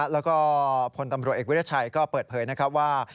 แล้วก็พลตำรวจเอกวิทยาชัยก็เปิดเผยนะครับว่า